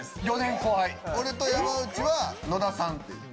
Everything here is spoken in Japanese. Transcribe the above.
俺と山内は「野田さん」って言う。